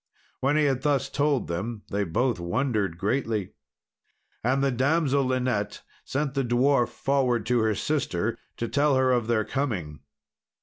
When he had thus told them, they both wondered greatly. And the damsel Linet sent the dwarf forward to her sister, to tell her of their coming.